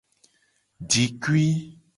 Jikui.